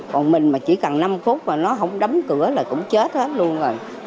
còn mình mà chỉ cần năm phút mà nó không đấm cửa là cũng chết hết luôn rồi